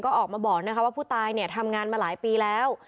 ก็ออกมาบอกว่าผู้ตายเนี่ยทำงานมาหลายปีแล้ว